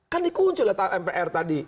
kan dikunci lihat tahun mpr tadi